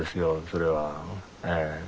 それはええ。